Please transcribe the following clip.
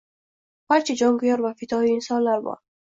Barcha jonkuyar va fidoyi insonlar bor